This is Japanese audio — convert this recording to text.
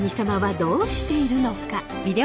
どうしているのか？